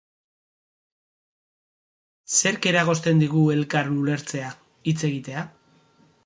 Zerk eragozten digu elkar ulertzea, hitz egitea?